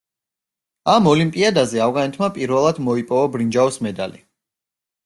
ამ ოლიმპიადაზე ავღანეთმა პირველად მოიპოვა ბრინჯაოს მედალი.